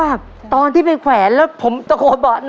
ได้ครับ